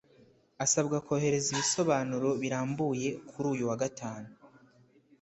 Asabwa kohereza ibisobanuro birambuye kuri uyu wa gatanu